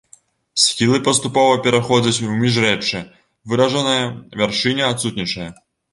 Схілы паступова пераходзяць у міжрэччы, выражаная вяршыня адсутнічае.